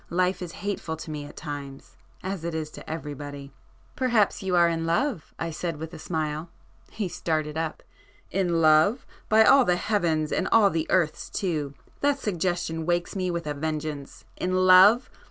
Life is hateful to me at times, as it is to everybody." "Perhaps you are in love?" I said with a smile. He started up. "In love! By all the heavens and all the earths too, that suggestion wakes me with a vengeance! In love!